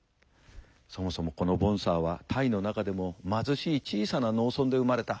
そもそもこのボンサーはタイの中でも貧しい小さな農村で生まれた。